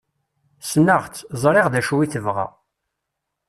Ssneɣ-tt, ẓriɣ d acu i tebɣa.